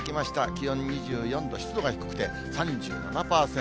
気温２４度、湿度が低くて３７％。